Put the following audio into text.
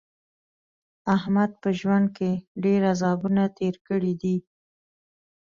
احمد په ژوند کې ډېر عذابونه تېر کړي دي.